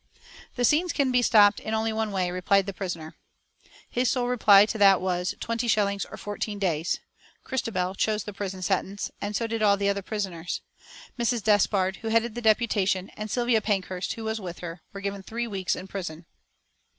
"The scenes can be stopped in only one way," replied the prisoner. His sole reply to that was, "Twenty shillings or fourteen days," Christabel chose the prison sentence, and so did all the other prisoners. Mrs. Despard, who headed the deputation, and Sylvia Pankhurst, who was with her, were given three weeks in prison.